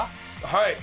はい！